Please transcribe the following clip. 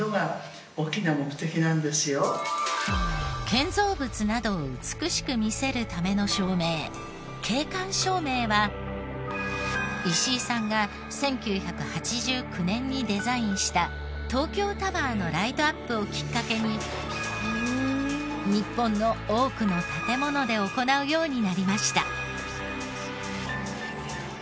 建造物などを美しく見せるための照明景観照明は石井さんが１９８９年にデザインした東京タワーのライトアップをきっかけに日本の多くの建もので行うようになりました。